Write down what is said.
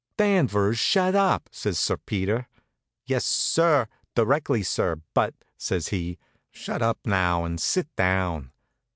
"Danvers, shut up!" says Sir Peter. "Yes, sir; directly, sir; but " says he. "Shut up now and sit down!"